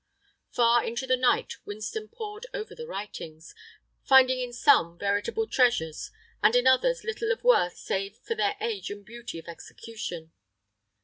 Far into the night Winston pored over the writings, finding in some veritable treasures and in others little of worth save for their age and beauty of execution.